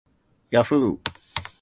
yahhoo